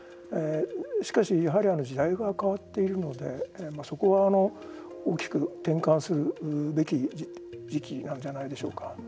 しかし、やはり時代は変わっているのでそこは大きく転換するべき時期なんじゃないでしょうか。